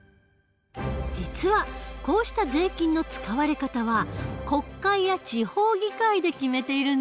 実はこうした税金の使われ方は国会や地方議会で決めているんだ。